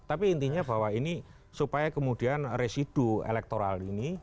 tapi intinya bahwa ini supaya kemudian residu elektoral ini